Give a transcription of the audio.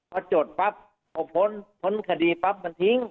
พอจดปั๊บพอพ้นพ้นคดีปั๊บมันทิ้ง